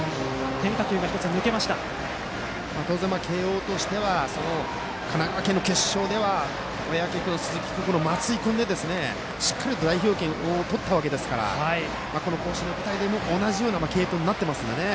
当然、慶応としては神奈川県の決勝では小宅君、鈴木君、松井君でしっかりと代表権を取ったので甲子園の舞台でも同じような継投になっていますね。